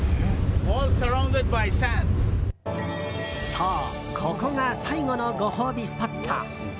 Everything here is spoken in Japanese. そう、ここが最後のご褒美スポット。